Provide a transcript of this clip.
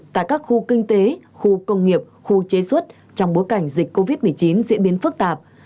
tại các khu kinh tế khu công nghiệp khu chế xuất trong bối cảnh dịch covid một mươi chín diễn biến phức tạp